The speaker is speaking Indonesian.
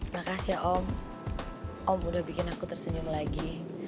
makasih ya om om udah bikin aku tersenyum lagi